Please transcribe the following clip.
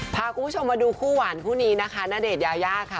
พาคุณผู้ชมมาดูคู่หวานคู่นี้นะคะณเดชนยายาค่ะ